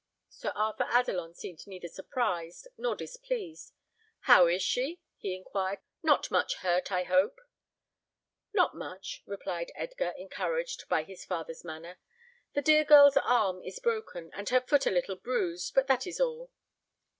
Sir Arthur Adelon seemed neither surprised nor displeased. "How is she?" he inquired. "Not much hurt, I hope?" "Not much," replied Edgar, encouraged by his father's manner; "the dear girl's arm is broken, and her foot a little bruised, but that is all."